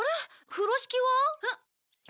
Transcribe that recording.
風呂敷は？えっ。